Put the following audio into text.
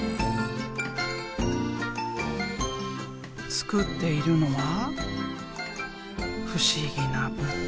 作っているのは不思議な物体。